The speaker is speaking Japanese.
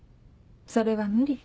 それは無理。